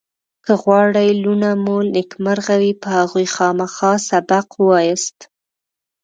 که غواړئ لوڼه مو نېکمرغ وي په هغوی خامخا سبق ووایاست